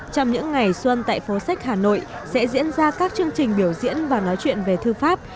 trong những ngày xuân tại phố sách hà nội sẽ diễn ra các chương trình biểu diễn và nói chuyện về thư pháp